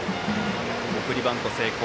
送りバント成功。